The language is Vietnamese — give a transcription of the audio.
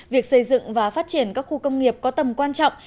việc xây dựng và phát triển các khu công nghiệp có tầm quan trọng